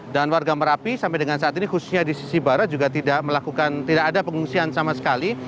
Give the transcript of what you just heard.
dan warga merapi sampai dengan saat ini khususnya di sisi barat juga tidak melakukan tidak ada pengungsian sama sekali